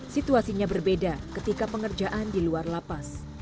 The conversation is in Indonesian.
situasinya berbeda ketika pengerjaan di luar lapas